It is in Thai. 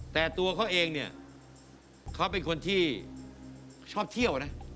แต่ตัวเขาเองเนี่ยเขาเป็นคนที่ชอบเที่ยวนะ